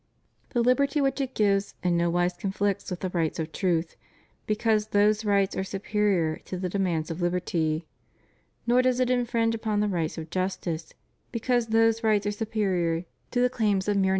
The liberty which it gives in no wise conflicts with the rights of truth, because those rights are superior to the demands of liberty. Nor does it infringe upon the rights of justice, because those rights are superior to the claims of mere 668 REVIEW OF HIS PONTIFICATE.